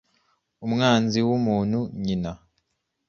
Umwanzi wumuntu Nyina